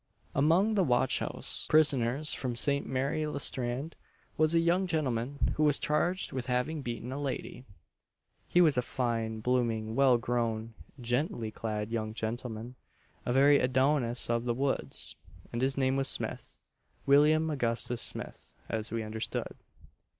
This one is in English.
Among the watch house prisoners from St. Mary le Strand, was a young gentleman, who was charged with having beaten a lady. He was a fine, blooming, well grown, genteelly clad young gentleman a very Adonis of the woods; and his name was Smith William Augustus Smith, as we understood.